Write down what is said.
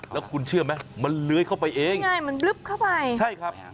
แล้วคุณเชื่อไหมมันเลื้อยเข้าไปเองง่ายมันบลึบเข้าไปใช่ครับ